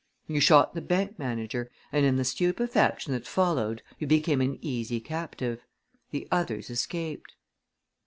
You shot the bank manager and in the stupefaction that followed you became an easy captive. The others escaped."